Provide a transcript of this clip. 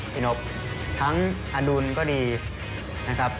พี่นอบทั้งอดูลก็ดีนะครับ